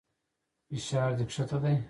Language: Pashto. فشار دې کښته دى.